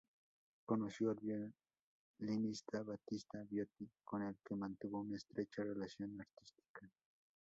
Conoció al violinista Battista Viotti, con el que mantuvo una estrecha relación artística.